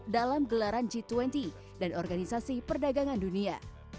dalam gelaran g dua puluh dan organisasi perdagangan dunia